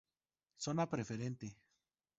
Zona preferente".